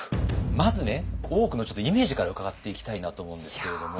まずね大奥のイメージから伺っていきたいなと思うんですけれども。